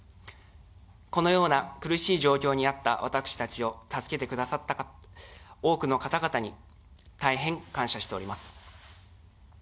このような苦しい状況にあった私たちを助けてくださった多くの方々に、大変感謝しております。